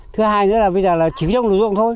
thứ hai nữa là bây giờ là chỉ dùng lưu dụng thôi